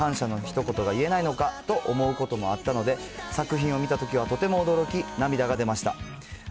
なぜ感謝のひと言が言えないのかと思うこともあったので、作品を見たときはとても驚き、涙が出ました。